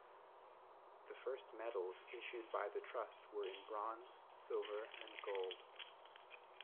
The first medals issued by the trust were in bronze, silver and gold.